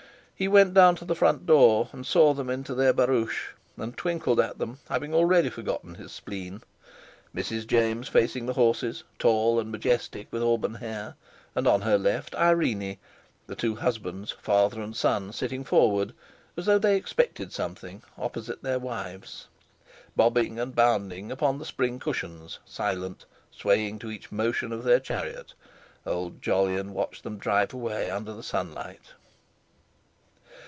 He went down to the front door and saw them into their barouche, and twinkled at them, having already forgotten his spleen—Mrs. James facing the horses, tall and majestic with auburn hair; on her left, Irene—the two husbands, father and son, sitting forward, as though they expected something, opposite their wives. Bobbing and bounding upon the spring cushions, silent, swaying to each motion of their chariot, old Jolyon watched them drive away under the sunlight.